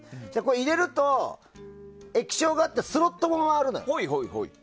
入れると、液晶があってスロットも回るのよ。